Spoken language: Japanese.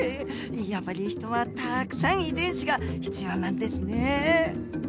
やっぱりヒトはたくさん遺伝子が必要なんですね。